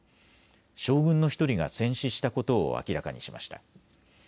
将軍の１人が戦死したことを明らかにしました。